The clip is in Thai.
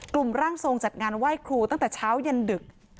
ร่างทรงจัดงานไหว้ครูตั้งแต่เช้ายันดึก